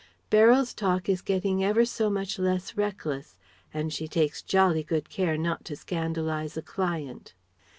"Beryl's talk is getting ever so much less reckless. And she takes jolly good care not to scandalize a client.